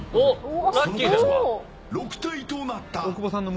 その数は６体となった。